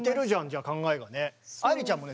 じゃあ考えがね。